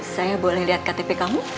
saya boleh lihat ktp kamu